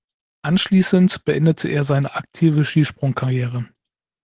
Anschließend beendete er seine aktive Skisprungkarriere.